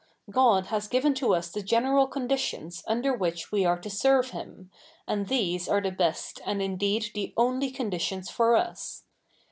God has given to us the general conditions 7tnder which we aj'e to serve Hi7n, and these are the best and indeed the only cojiditions for us.